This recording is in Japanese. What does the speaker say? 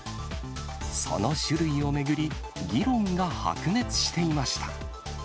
その種類を巡り、議論が白熱していました。